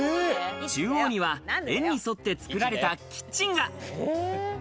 中央には円に沿って作られたキッチンが。